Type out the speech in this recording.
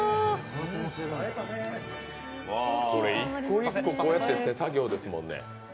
これ、１個、１個こうやって手作業ですもんね。